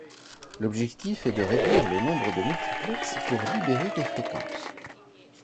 L'objectif est de réduire le nombre de multiplex pour libérer des fréquences.